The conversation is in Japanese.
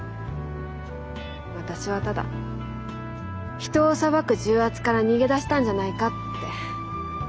私はただ人を裁く重圧から逃げ出したんじゃないかって。